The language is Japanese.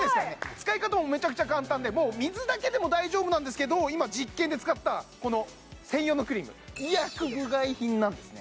使い方もめちゃくちゃ簡単でもう水だけでも大丈夫なんですけど今実験で使ったこの専用のクリーム医薬部外品なんですね